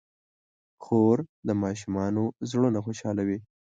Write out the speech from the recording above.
خور د ماشومانو زړونه خوشحالوي.